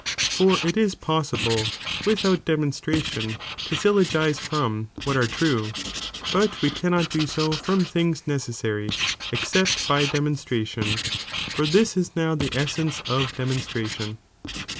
For it ia possible vrithout demonatni tion to syllogize from what are true, but we can not do so from things necessary, escept by demonstration, for Proof tihii ^^'^^"''"^^^^^ essence) of demonstration.